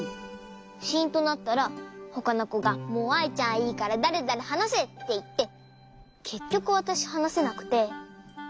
シンとなったらほかのこがもうアイちゃんいいからだれだれはなせっていってけっきょくわたしはなせなくて。